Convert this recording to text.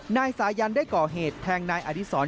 นายสายันได้ก่อเหตุแทงนายอดีศร